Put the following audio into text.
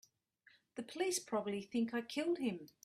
The police probably think I killed him.